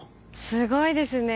すごいですね